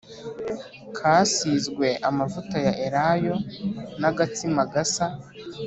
kasizwe amavuta ya elayo n agatsima gasa